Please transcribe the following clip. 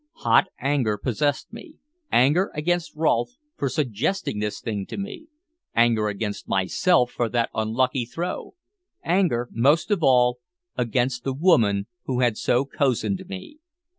Hot anger possessed me: anger against Rolfe for suggesting this thing to me; anger against myself for that unlucky throw; anger, most of all, against the woman who had so cozened me.